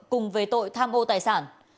cùng về tội tham ô tài sản